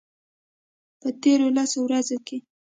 په تیرو لسو ورځو کې